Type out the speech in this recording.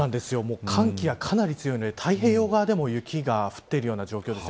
寒気がかなり強いので太平洋側でも雪が降っている状況です。